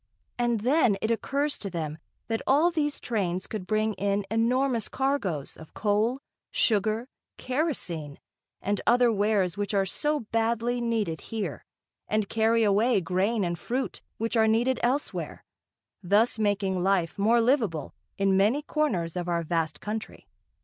And then it occurs to them that all these trains could bring in enormous cargoes of coal, sugar, kerosene and other wares which are so badly needed here, and carry away grain and fruit, which are needed elsewhere, thus making life more livable in many corners of our vast country.